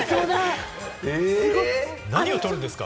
何をとるんですか？